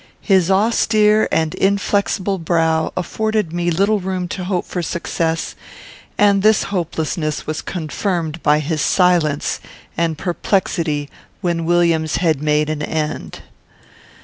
His austere and inflexible brow afforded me little room to hope for success, and this hopelessness was confirmed by his silence and perplexity when Williams had made an end.